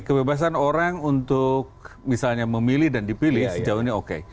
kebebasan orang untuk misalnya memilih dan dipilih sejauh ini oke